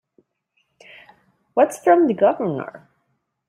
What's from the Governor?